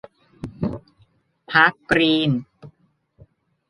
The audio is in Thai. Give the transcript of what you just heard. พรรคกรีน